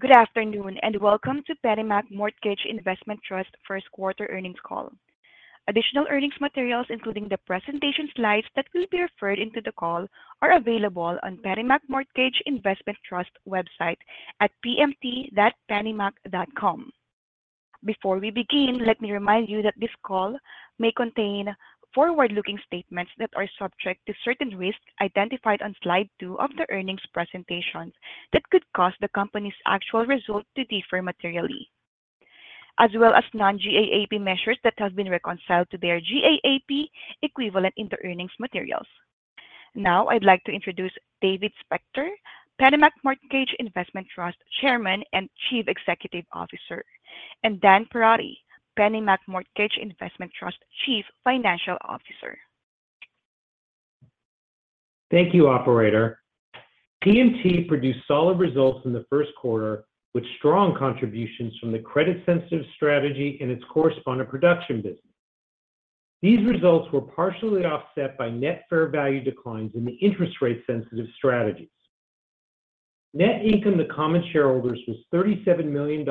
Good afternoon and welcome to PennyMac Mortgage Investment Trust First Quarter Earnings Call. Additional earnings materials including the presentation slides that will be referred to in the call are available on PennyMac Mortgage Investment Trust website at pmt.pennymac.com. Before we begin, let me remind you that this call may contain forward-looking statements that are subject to certain risks identified on slide 2 of the earnings presentation that could cause the company's actual results to differ materially, as well as non-GAAP measures that have been reconciled to their GAAP equivalent in the earnings materials. Now I'd like to introduce David Spector, PennyMac Mortgage Investment Trust Chairman and Chief Executive Officer, and Dan Perotti, PennyMac Mortgage Investment Trust Chief Financial Officer. Thank you, Operator. PMT produced solid results in the first quarter with strong contributions from the credit-sensitive strategy and its correspondent production business. These results were partially offset by net fair value declines in the interest rate-sensitive strategies. Net income to common shareholders was $37 million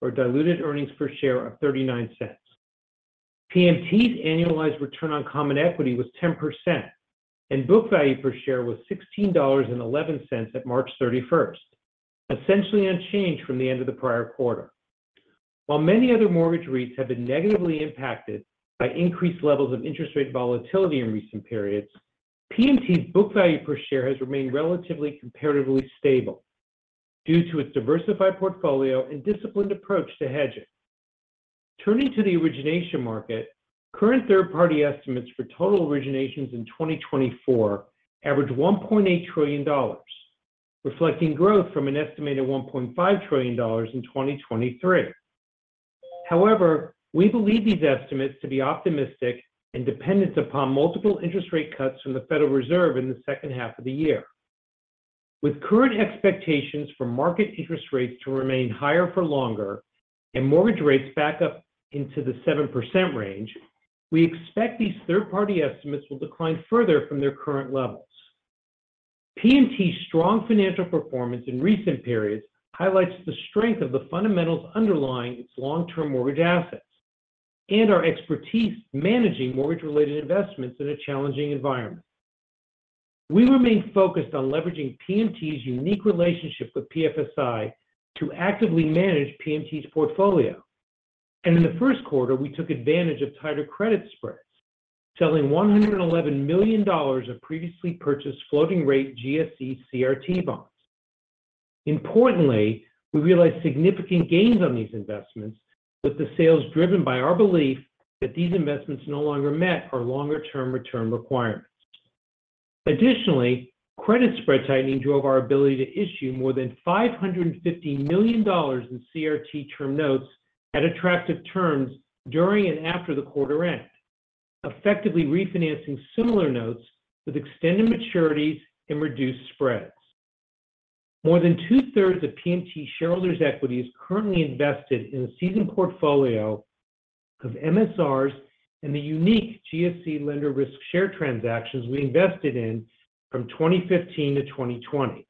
or diluted earnings per share of $0.39. PMT's annualized return on common equity was 10%, and book value per share was $16.11 at March 31st, essentially unchanged from the end of the prior quarter. While many other mortgage REITs have been negatively impacted by increased levels of interest rate volatility in recent periods, PMT's book value per share has remained relatively comparatively stable due to its diversified portfolio and disciplined approach to hedging. Turning to the origination market, current third-party estimates for total originations in 2024 average $1.8 trillion, reflecting growth from an estimated $1.5 trillion in 2023. However, we believe these estimates to be optimistic dependent upon multiple interest rate cuts from the Federal Reserve in the second half of the year. With current expectations for market interest rates to remain higher for longer and mortgage rates back up into the 7% range, we expect these third-party estimates will decline further from their current levels. PMT's strong financial performance in recent periods highlights the strength of the fundamentals underlying its long-term mortgage assets and our expertise managing mortgage-related investments in a challenging environment. We remain focused on leveraging PMT's unique relationship with PFSI to actively manage PMT's portfolio. In the first quarter, we took advantage of tighter credit spreads, selling $111 million of previously purchased floating-rate GSE CRT bonds. Importantly, we realized significant gains on these investments with the sales driven by our belief that these investments no longer met our longer-term return requirements. Additionally, credit spread tightening drove our ability to issue more than $550 million in CRT term notes at attractive terms during and after the quarter-end, effectively refinancing similar notes with extended maturities and reduced spreads. More than 2/3 of PMT shareholders' equity is currently invested in the seasoned portfolio of MSRs and the unique GSE lender risk share transactions we invested in from 2015 to 2020.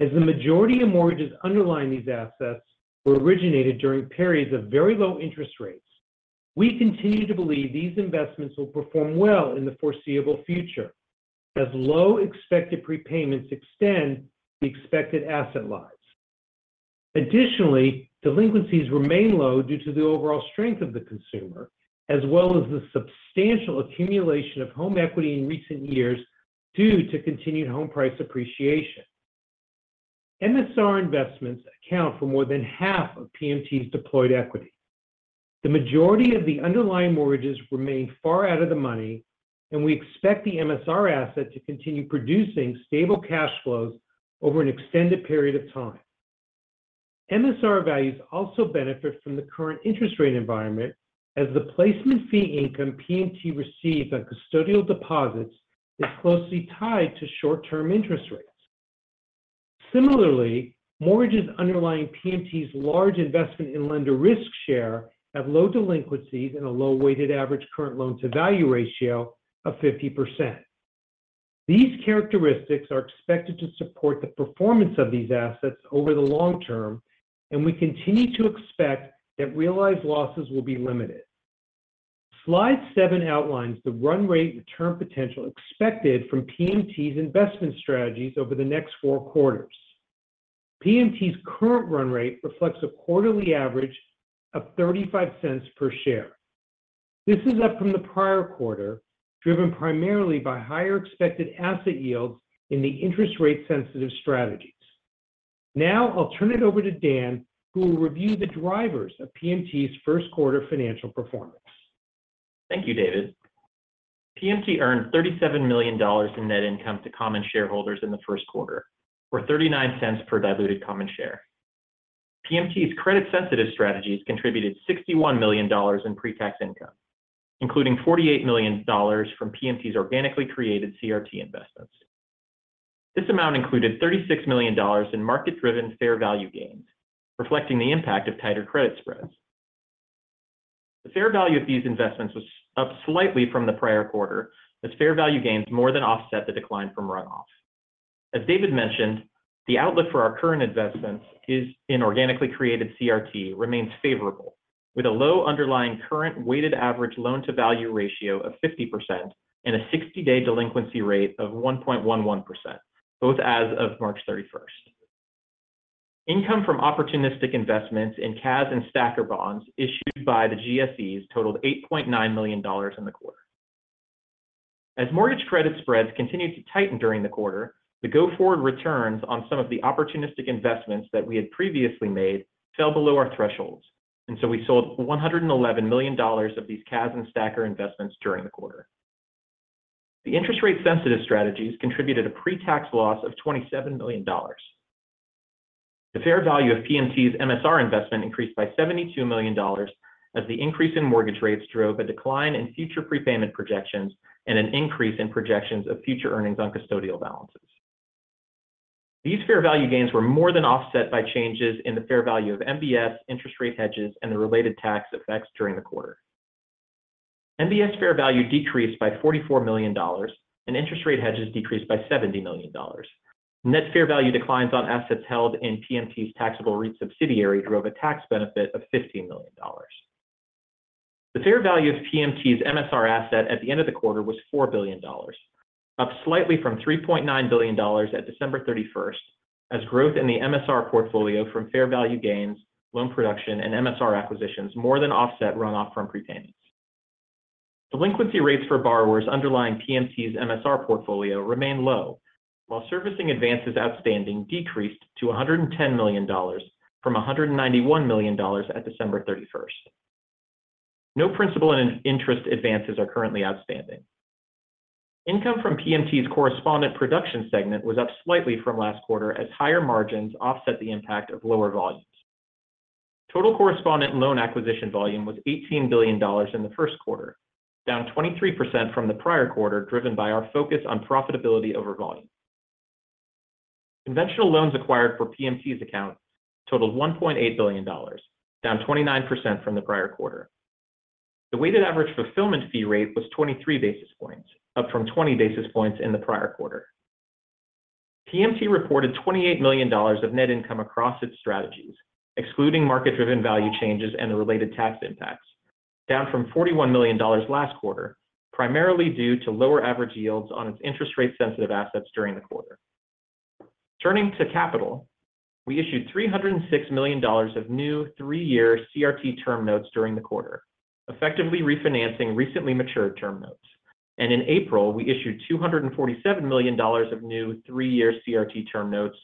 As the majority of mortgages underlying these assets were originated during periods of very low interest rates, we continue to believe these investments will perform well in the foreseeable future as low expected prepayments extend the expected asset lives. Additionally, delinquencies remain low due to the overall strength of the consumer, as well as the substantial accumulation of home equity in recent years due to continued home price appreciation. MSR investments account for more than half of PMT's deployed equity. The majority of the underlying mortgages remain far out of the money, and we expect the MSR asset to continue producing stable cash flows over an extended period of time. MSR values also benefit from the current interest rate environment as the placement fee income PMT receives on custodial deposits is closely tied to short-term interest rates. Similarly, mortgages underlying PMT's large investment in lender risk share have low delinquencies and a low weighted average current loan-to-value ratio of 50%. These characteristics are expected to support the performance of these assets over the long term, and we continue to expect that realized losses will be limited. Slide 7 outlines the run rate return potential expected from PMT's investment strategies over the next four quarters. PMT's current run rate reflects a quarterly average of $0.35 per share. This is up from the prior quarter, driven primarily by higher expected asset yields in the interest rate-sensitive strategies. Now I'll turn it over to Dan, who will review the drivers of PMT's first quarter financial performance. Thank you, David. PMT earned $37 million in net income to common shareholders in the first quarter, or $0.39 per diluted common share. PMT's credit-sensitive strategies contributed $61 million in pretax income, including $48 million from PMT's organically created CRT investments. This amount included $36 million in market-driven fair value gains, reflecting the impact of tighter credit spreads. The fair value of these investments was up slightly from the prior quarter as fair value gains more than offset the decline from runoff. As David mentioned, the outlook for our current investments in organically created CRT remains favorable, with a low underlying current weighted average loan-to-value ratio of 50% and a 60-day delinquency rate of 1.11%, both as of March 31st. Income from opportunistic investments in CAS and STACR bonds issued by the GSEs totaled $8.9 million in the quarter. As mortgage credit spreads continued to tighten during the quarter, the go-forward returns on some of the opportunistic investments that we had previously made fell below our thresholds, and so we sold $111 million of these CAS and STACR investments during the quarter. The interest rate-sensitive strategies contributed a pretax loss of $27 million. The fair value of PMT's MSR investment increased by $72 million as the increase in mortgage rates drove a decline in future prepayment projections and an increase in projections of future earnings on custodial balances. These fair value gains were more than offset by changes in the fair value of MBS interest rate hedges and the related tax effects during the quarter. MBS fair value decreased by $44 million, and interest rate hedges decreased by $70 million. Net fair value declines on assets held in PMT's taxable REIT subsidiary drove a tax benefit of $15 million. The fair value of PMT's MSR asset at the end of the quarter was $4 billion, up slightly from $3.9 billion at December 31st as growth in the MSR portfolio from fair value gains, loan production, and MSR acquisitions more than offset runoff from prepayments. Delinquency rates for borrowers underlying PMT's MSR portfolio remain low, while servicing advances outstanding decreased to $110 million from $191 million at December 31st. No principal and interest advances are currently outstanding. Income from PMT's correspondent production segment was up slightly from last quarter as higher margins offset the impact of lower volumes. Total correspondent loan acquisition volume was $18 billion in the first quarter, down 23% from the prior quarter driven by our focus on profitability over volume. Conventional loans acquired for PMT's account totaled $1.8 billion, down 29% from the prior quarter. The weighted average fulfillment fee rate was 23 basis points, up from 20 basis points in the prior quarter. PMT reported $28 million of net income across its strategies, excluding market-driven value changes and the related tax impacts, down from $41 million last quarter, primarily due to lower average yields on its interest rate-sensitive assets during the quarter. Turning to capital, we issued $306 million of new three-year CRT term notes during the quarter, effectively refinancing recently matured term notes. And in April, we issued $247 million of new three-year CRT term notes,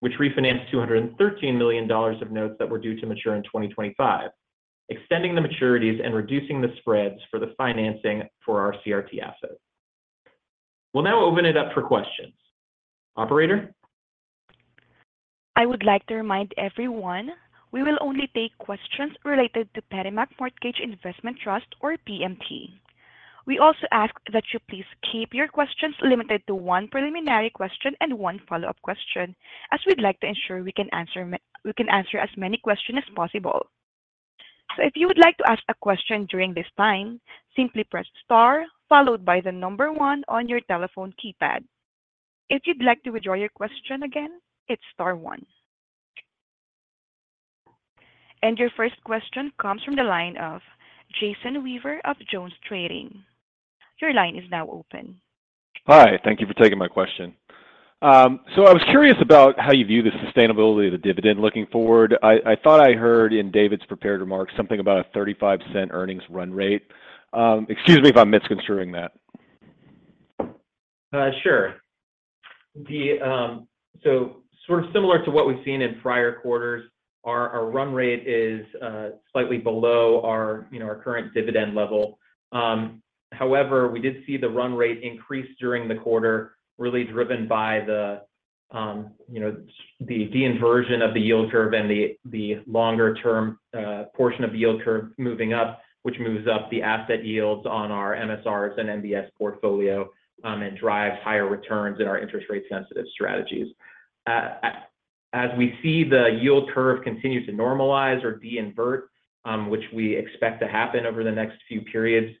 which refinanced $213 million of notes that were due to mature in 2025, extending the maturities and reducing the spreads for the financing for our CRT assets. We'll now open it up for questions. Operator? I would like to remind everyone, we will only take questions related to PennyMac Mortgage Investment Trust or PMT. We also ask that you please keep your questions limited to one preliminary question and one follow-up question as we'd like to ensure we can answer as many questions as possible. So if you would like to ask a question during this time, simply press star followed by the number one on your telephone keypad. If you'd like to withdraw your question again, it's star one. And your first question comes from the line of Jason Weaver of JonesTrading. Your line is now open. Hi. Thank you for taking my question. So I was curious about how you view the sustainability of the dividend looking forward. I thought I heard in David's prepared remarks something about a $0.35 earnings run rate. Excuse me if I'm misconstruing that. Sure. So sort of similar to what we've seen in prior quarters, our run rate is slightly below our current dividend level. However, we did see the run rate increase during the quarter, really driven by the deinversion of the yield curve and the longer-term portion of the yield curve moving up, which moves up the asset yields on our MSRs and MBS portfolio and drives higher returns in our interest rate-sensitive strategies. As we see the yield curve continue to normalize or deinvert, which we expect to happen over the next few periods,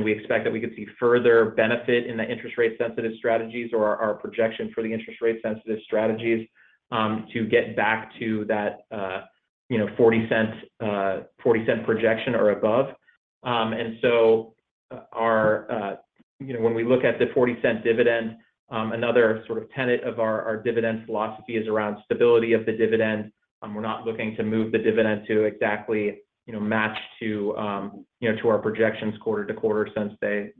we expect that we could see further benefit in the interest rate-sensitive strategies or our projection for the interest rate-sensitive strategies to get back to that $0.40 projection or above. And so when we look at the $0.40 dividend, another sort of tenet of our dividend philosophy is around stability of the dividend. We're not looking to move the dividend to exactly match to our projections quarter to quarter since they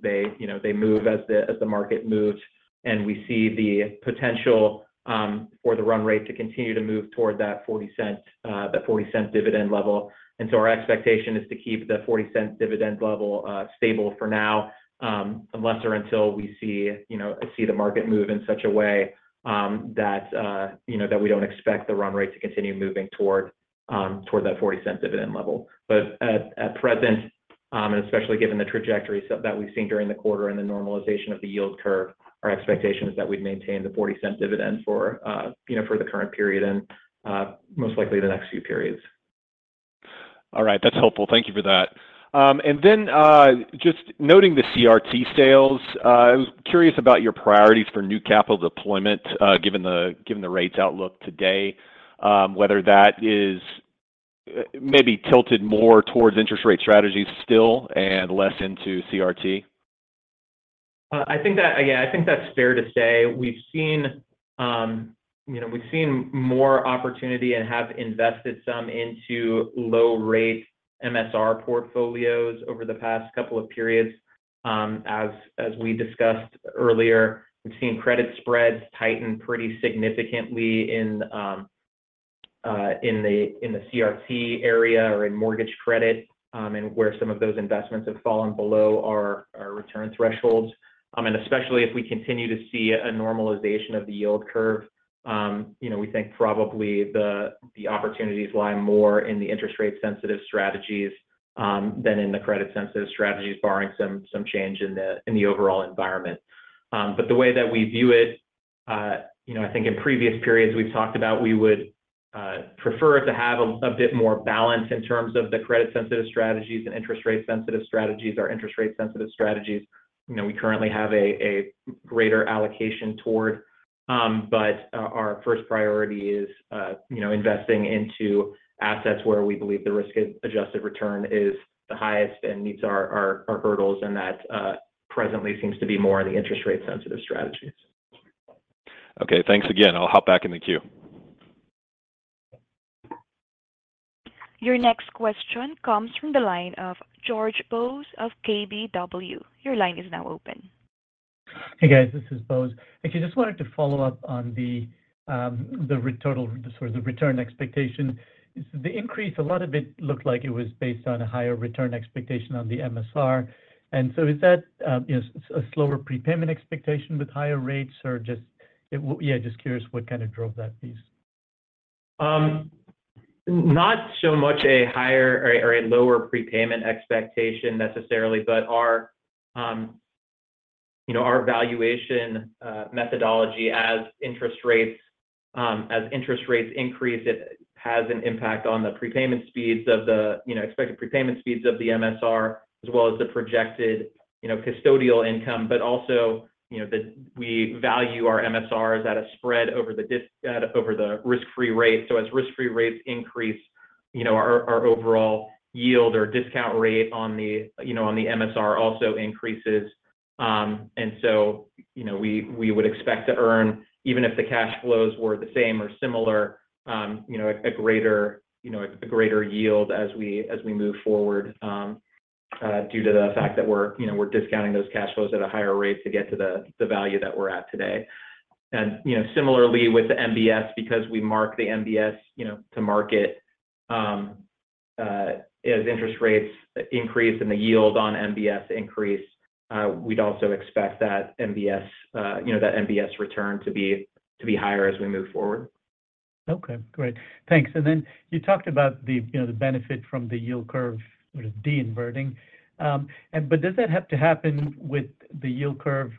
move as the market moves. And we see the potential for the run rate to continue to move toward that $0.40 dividend level. And so our expectation is to keep the $0.40 dividend level stable for now, unless or until we see the market move in such a way that we don't expect the run rate to continue moving toward that $0.40 dividend level. But at present, and especially given the trajectory that we've seen during the quarter and the normalization of the yield curve, our expectation is that we'd maintain the $0.40 dividend for the current period and most likely the next few periods. All right. That's helpful. Thank you for that. And then just noting the CRT sales, I was curious about your priorities for new capital deployment given the rates outlook today, whether that is maybe tilted more towards interest rate strategies still and less into CRT? Yeah. I think that's fair to say. We've seen more opportunity and have invested some into low-rate MSR portfolios over the past couple of periods. As we discussed earlier, we've seen credit spreads tighten pretty significantly in the CRT area or in mortgage credit and where some of those investments have fallen below our return thresholds. And especially if we continue to see a normalization of the yield curve, we think probably the opportunities lie more in the interest rate-sensitive strategies than in the credit-sensitive strategies, barring some change in the overall environment. But the way that we view it, I think in previous periods we've talked about, we would prefer to have a bit more balance in terms of the credit-sensitive strategies and interest rate-sensitive strategies. Our interest rate-sensitive strategies, we currently have a greater allocation toward. Our first priority is investing into assets where we believe the risk-adjusted return is the highest and meets our hurdles. That presently seems to be more in the interest rate-sensitive strategies. Okay. Thanks again. I'll hop back in the queue. Your next question comes from the line of George Bose of KBW. Your line is now open. Hey, guys. This is Bose. Actually, I just wanted to follow up on the sort of the return expectation. The increase, a lot of it looked like it was based on a higher return expectation on the MSR. And so is that a slower prepayment expectation with higher rates, or yeah, just curious what kind of drove that piece? Not so much a higher or a lower prepayment expectation necessarily, but our valuation methodology as interest rates increase, it has an impact on the expected prepayment speeds of the MSR as well as the projected custodial income. But also we value our MSRs at a spread over the risk-free rate. So as risk-free rates increase, our overall yield or discount rate on the MSR also increases. And so we would expect to earn, even if the cash flows were the same or similar, a greater yield as we move forward due to the fact that we're discounting those cash flows at a higher rate to get to the value that we're at today. And similarly with the MBS, because we mark the MBS to market as interest rates increase and the yield on MBS increase, we'd also expect that MBS return to be higher as we move forward. Okay. Great. Thanks. And then you talked about the benefit from the yield curve sort of deinverting. But does that have to happen with the yield curve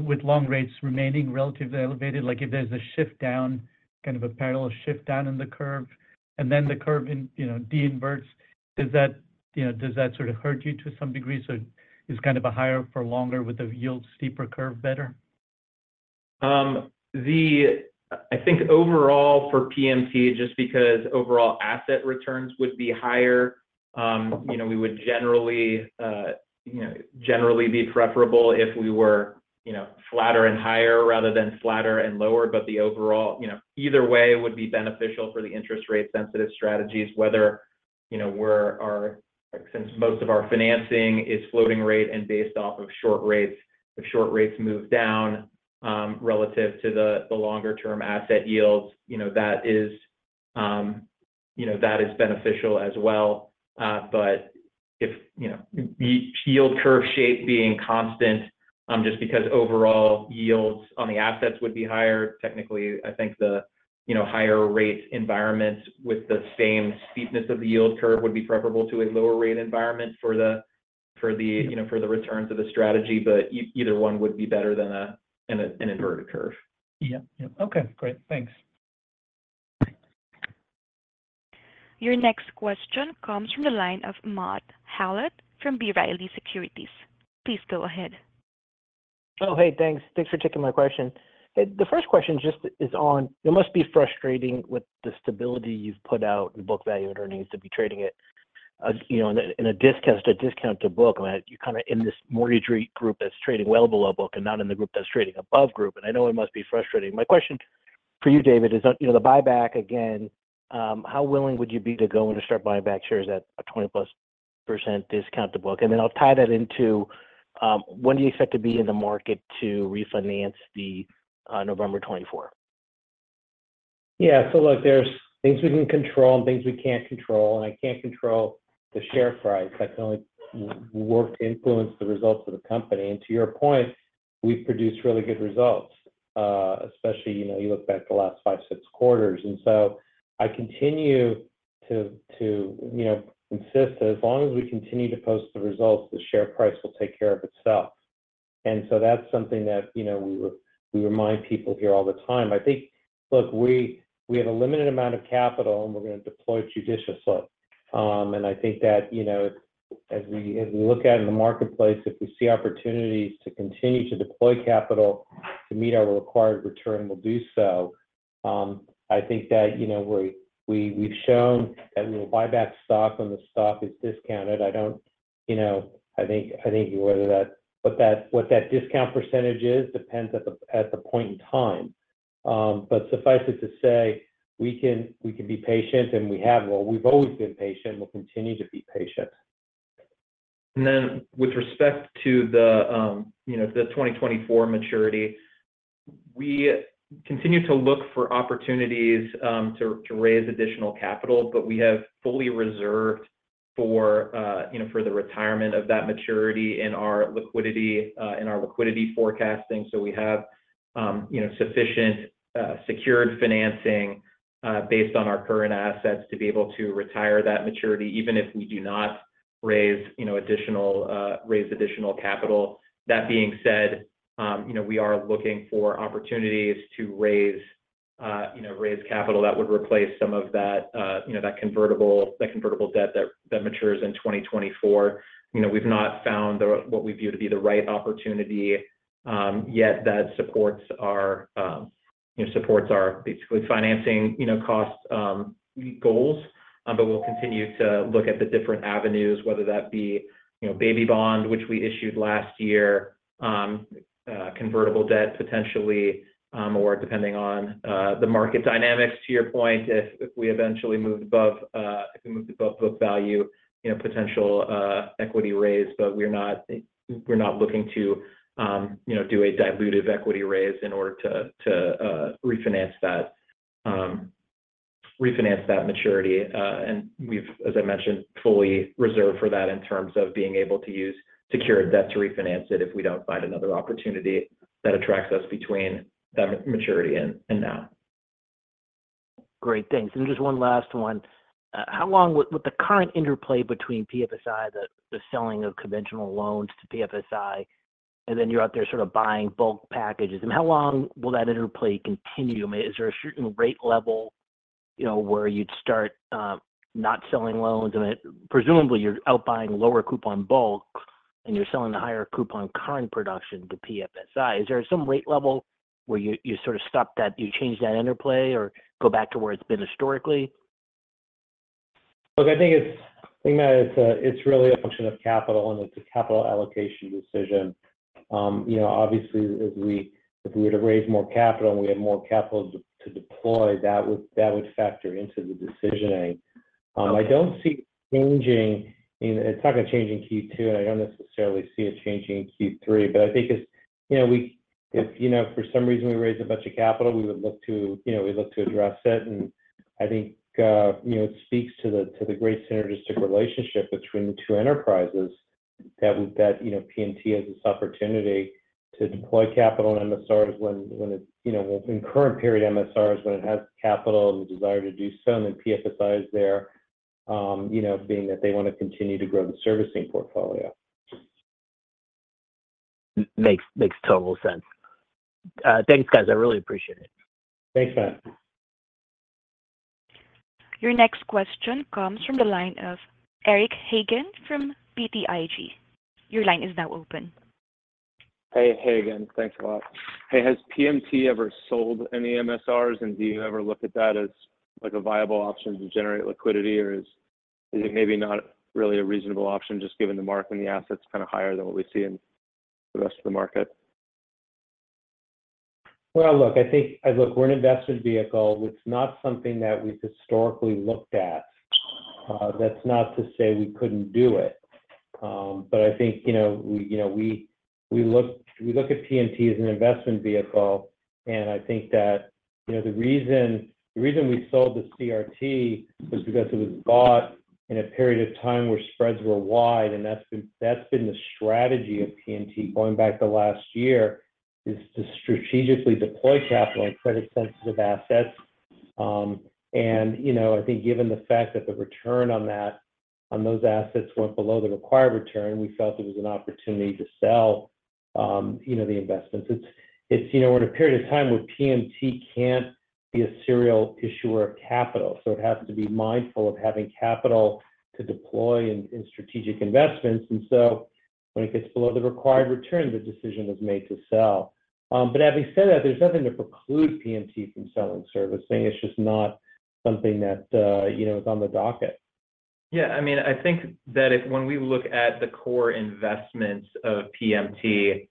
with long rates remaining relatively elevated, like if there's a shift down, kind of a parallel shift down in the curve, and then the curve deinverts, does that sort of hurt you to some degree? So is kind of a higher for longer with a yield steeper curve better? I think overall for PMT, just because overall asset returns would be higher, we would generally be preferable if we were flatter and higher rather than flatter and lower. But the overall, either way would be beneficial for the interest rate-sensitive strategies, whether since most of our financing is floating rate and based off of short rates, if short rates move down relative to the longer-term asset yields, that is beneficial as well. But if yield curve shape being constant, just because overall yields on the assets would be higher, technically, I think the higher rate environment with the same steepness of the yield curve would be preferable to a lower rate environment for the returns of the strategy. But either one would be better than an inverted curve. Yep. Yep. Okay. Great. Thanks. Your next question comes from the line of Matt Howlett from B. Riley Securities. Please go ahead. Oh, hey. Thanks. Thanks for taking my question. The first question just is on, it must be frustrating with the stability you've put out in book value at earnings to be trading at a discount to book. I mean, you're kind of in this mortgage rate group that's trading well below book and not in the group that's trading above book. And I know it must be frustrating. My question for you, David, is the buyback, again, how willing would you be to go and start buying back shares at a 20%+ discount to book? And then I'll tie that into, when do you expect to be in the market to refinance the November 2024? Yeah. So there's things we can control and things we can't control. And I can't control the share price. That's the only work to influence the results of the company. And to your point, we've produced really good results, especially you look back the last five, six quarters. And so I continue to insist that as long as we continue to post the results, the share price will take care of itself. And so that's something that we remind people here all the time. I think, look, we have a limited amount of capital, and we're going to deploy it judiciously. And I think that as we look at it in the marketplace, if we see opportunities to continue to deploy capital to meet our required return, we'll do so. I think that we've shown that we will buy back stock when the stock is discounted. I don't think what that discount percentage is depends on the point in time. But suffice it to say, we can be patient, and we have, well, we've always been patient. We'll continue to be patient. And then with respect to the 2024 maturity, we continue to look for opportunities to raise additional capital, but we have fully reserved for the retirement of that maturity in our liquidity forecasting. So we have sufficient secured financing based on our current assets to be able to retire that maturity, even if we do not raise additional capital. That being said, we are looking for opportunities to raise capital that would replace some of that convertible debt that matures in 2024. We've not found what we view to be the right opportunity yet that supports our basically financing cost goals. But we'll continue to look at the different avenues, whether that be baby bond, which we issued last year, convertible debt potentially, or depending on the market dynamics, to your point, if we eventually moved above book value, potential equity raise. We're not looking to do a diluted equity raise in order to refinance that maturity. We've, as I mentioned, fully reserved for that in terms of being able to use secured debt to refinance it if we don't find another opportunity that attracts us between that maturity and now. Great. Thanks. And just one last one. With the current interplay between PFSI, the selling of conventional loans to PFSI, and then you're out there sort of buying bulk packages, and how long will that interplay continue? I mean, is there a certain rate level where you'd start not selling loans? I mean, presumably, you're outbuying lower coupon bulk, and you're selling the higher coupon current production to PFSI. Is there some rate level where you sort of stop that you change that interplay or go back to where it's been historically? Look, I think, Matt, it's really a function of capital, and it's a capital allocation decision. Obviously, if we were to raise more capital and we had more capital to deploy, that would factor into the decisioning. I don't see it changing. It's not going to change in Q2, and I don't necessarily see it changing in Q3. But I think if for some reason we raise a bunch of capital, we would look to, we'd look to address it. And I think it speaks to the great synergistic relationship between the two enterprises that PMT has this opportunity to deploy capital in MSRs when it in current-period MSRs when it has capital and the desire to do so, and then PFSI is there, being that they want to continue to grow the servicing portfolio. Makes total sense. Thanks, guys. I really appreciate it. Thanks, Matt. Your next question comes from the line of Eric Hagen from BTIG. Your line is now open. Hey, David. Thanks a lot. Hey, has PMT ever sold any MSRs, and do you ever look at that as a viable option to generate liquidity, or is it maybe not really a reasonable option just given the market and the assets kind of higher than what we see in the rest of the market? Well, look, I think, look, we're an investment vehicle. It's not something that we've historically looked at. That's not to say we couldn't do it. But I think we look at PMT as an investment vehicle. And I think that the reason we sold the CRT was because it was bought in a period of time where spreads were wide. And that's been the strategy of PMT going back the last year, is to strategically deploy capital in credit-sensitive assets. And I think given the fact that the return on those assets went below the required return, we felt it was an opportunity to sell the investments. It's in a period of time where PMT can't be a serial issuer of capital. So it has to be mindful of having capital to deploy in strategic investments. When it gets below the required return, the decision was made to sell. Having said that, there's nothing to preclude PMT from selling servicing. It's just not something that is on the docket. Yeah. I mean, I think that when we look at the core investments of PMT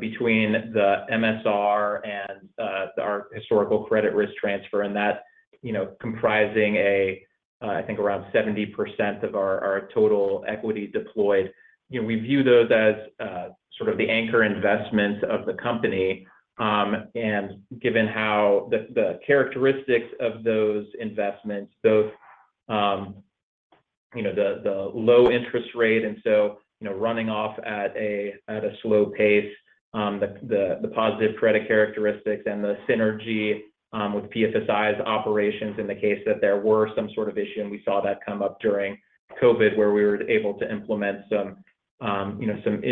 between the MSR and our historical credit risk transfer and that comprising a, I think, around 70% of our total equity deployed, we view those as sort of the anchor investments of the company. And given how the characteristics of those investments, both the low interest rate and so running off at a slow pace, the positive credit characteristics, and the synergy with PFSI's operations, in the case that there were some sort of issue, and we saw that come up during COVID where we were able to implement some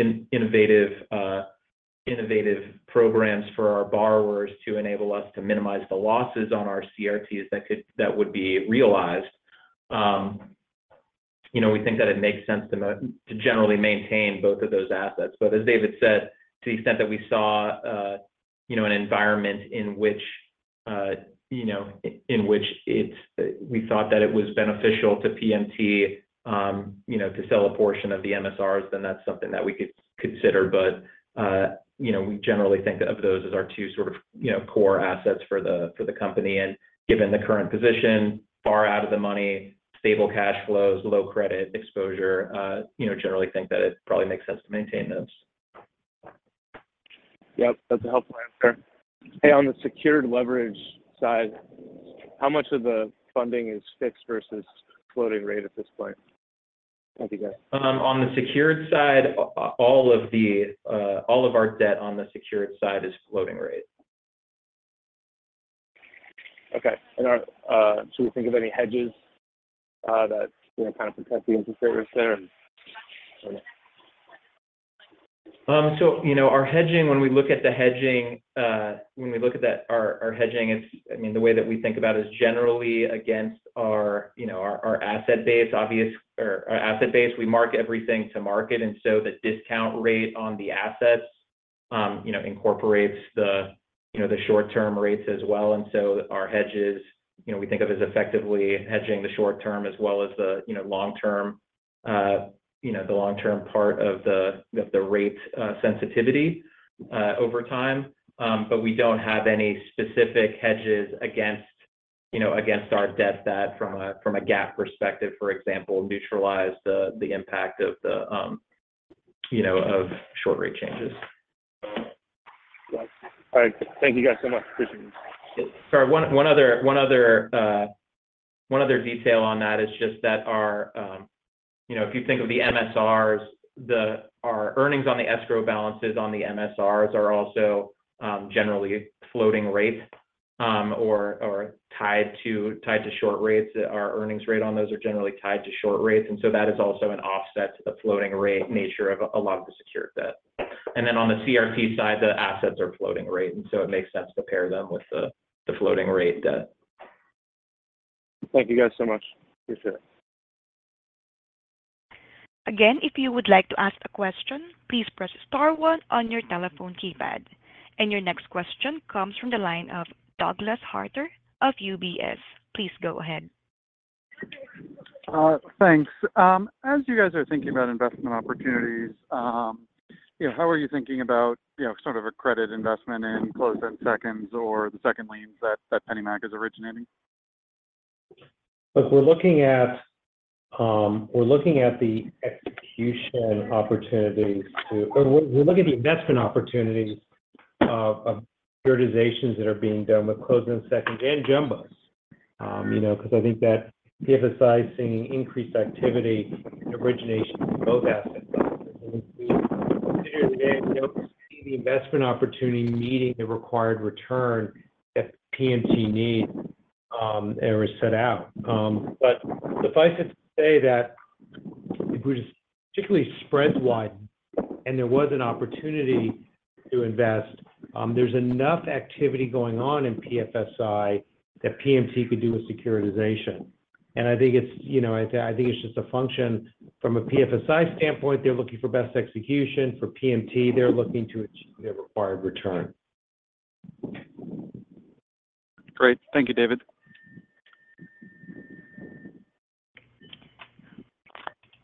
innovative programs for our borrowers to enable us to minimize the losses on our CRTs that would be realized, we think that it makes sense to generally maintain both of those assets. But as David said, to the extent that we saw an environment in which we thought that it was beneficial to PMT to sell a portion of the MSRs, then that's something that we could consider. But we generally think of those as our two sort of core assets for the company. And given the current position, far out of the money, stable cash flows, low credit exposure, generally think that it probably makes sense to maintain those. Yep. That's a helpful answer. Hey, on the secured leverage side, how much of the funding is fixed versus floating rate at this point? Thank you, guys. On the secured side, all of our debt on the secured side is floating rate. Okay. And should we think of any hedges that kind of protect the interest rate risk there? So our hedging, when we look at that, I mean, the way that we think about it is generally against our asset base, obviously, our asset base. We mark everything to market. And so the discount rate on the assets incorporates the short-term rates as well. And so our hedges, we think of as effectively hedging the short-term as well as the long-term part of the rate sensitivity over time. But we don't have any specific hedges against our debt that, from a gap perspective, for example, neutralize the impact of short-rate changes. All right. Thank you guys so much. Appreciate it. Sorry. One other detail on that is just that if you think of the MSRs, our earnings on the escrow balances on the MSRs are also generally floating rate or tied to short rates. Our earnings rate on those are generally tied to short rates. And so that is also an offset to the floating rate nature of a lot of the secured debt. And then on the CRT side, the assets are floating rate. And so it makes sense to pair them with the floating rate debt. Thank you guys so much. Appreciate it. Again, if you would like to ask a question, please press star one on your telephone keypad. Your next question comes from the line of Douglas Harter of UBS. Please go ahead. Thanks. As you guys are thinking about investment opportunities, how are you thinking about sort of a credit investment in closed-end seconds or the second liens that PennyMac is originating? Look, we're looking at the execution opportunities to or we're looking at the investment opportunities of prioritizations that are being done with closed-end seconds and jumbos because I think that PFSI is seeing increased activity and origination in both asset classes. And considering that we don't see the investment opportunity meeting the required return that PMT needs or is set out. But suffice it to say that if we're just particularly spread-wide and there was an opportunity to invest, there's enough activity going on in PFSI that PMT could do a securitization. And I think it's I think it's just a function from a PFSI standpoint, they're looking for best execution. For PMT, they're looking to achieve their required return. Great. Thank you, David.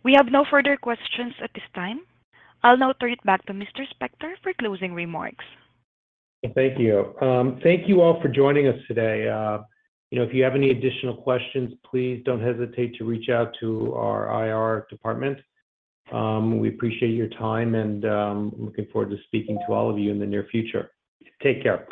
We have no further questions at this time. I'll now turn it back to Mr. Spector for closing remarks. Thank you. Thank you all for joining us today. If you have any additional questions, please don't hesitate to reach out to our IR department. We appreciate your time, and I'm looking forward to speaking to all of you in the near future. Take care.